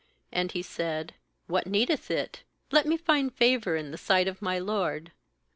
And he said: 'What needeth it? let me find favour in the sight of my lord.'